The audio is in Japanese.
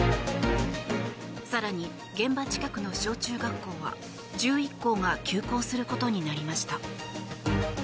更に、現場近くの小中学校は１１校が休校することになりました。